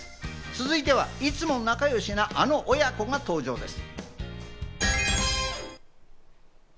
続いては、いつも仲よしなあの親子が登場です。